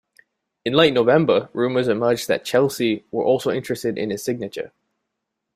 In late November, rumours emerged that Chelsea were also interested in his signature.